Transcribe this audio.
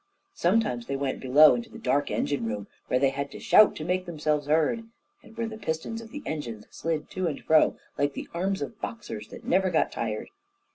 Sometimes they went below into the dark engine room, where they had to shout to make themselves heard, and where the pistons of the engines slid to and fro like the arms of boxers that never got tired.